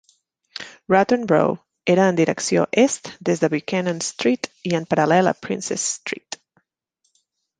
Rotten Row era en direcció est des de Buchanan Street i en paral·lel a Prince's Street.